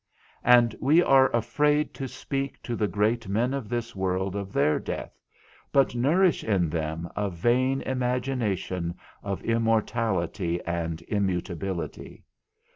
And we are afraid to speak to the great men of this world of their death, but nourish in them a vain imagination of immortality and immutability.